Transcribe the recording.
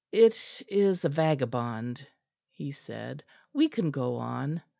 "It is a vagabond," he said, "we can go on."